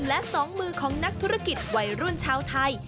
และสองมือของนักธุรกิจวัยรุ่นชาวไทย